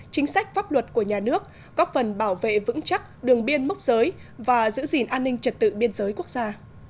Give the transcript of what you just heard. chính sách pháp luật của nhà nước góp phần bảo vệ vững chắc đường biên mốc giới và giữ gìn an ninh trật tự biên giới quốc gia